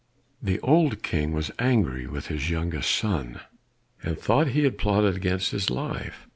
The old King was angry with his youngest son, and thought he had plotted against his life.